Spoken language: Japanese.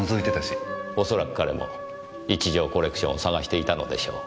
恐らく彼も一条コレクションを探していたのでしょう。